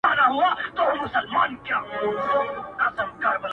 مخته چي دښمن راسي تېره نه وي،